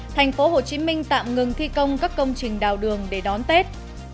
thành phố hồ chí minh tạm ngừng thi công các công trình đào đường để đón tết